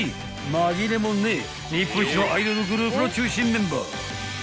［紛れもねぇ日本一のアイドルグループの中心メンバー］